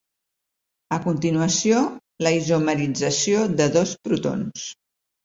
A continuació, la isomerització de dos protons.